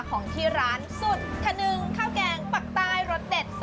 ของที่ร้านสุดทะนึงข้าวแกงปักตายรสเต็ดสองสี่สาม